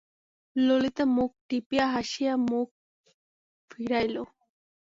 ললিতা মুখ টিপিয়া হাসিয়া মুখ ফিরাইল।